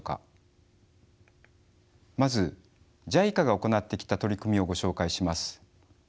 まずＪＩＣＡが行ってきた取り組みをご紹介します。